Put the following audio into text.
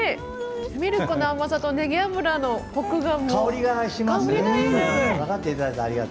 ミルクの甘さと、ねぎ油のコクが。